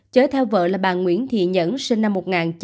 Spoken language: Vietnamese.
chở theo vợ là bà nguyễn thị nhẫn sinh năm một nghìn chín trăm chín mươi bốn